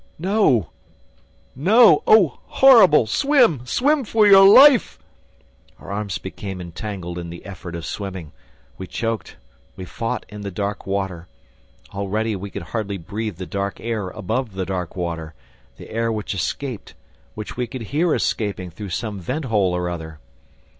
... No, no, oh, horrible! ... Swim! Swim for your life!" Our arms became entangled in the effort of swimming; we choked; we fought in the dark water; already we could hardly breathe the dark air above the dark water, the air which escaped, which we could hear escaping through some vent hole or other.